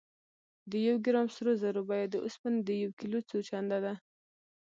د یو ګرام سرو زرو بیه د اوسپنې د یو کیلو څو چنده ده.